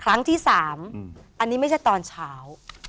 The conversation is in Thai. ครั้งที่๓อันนี้ไม่ใช่ตอนเช้า